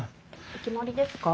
お決まりですか？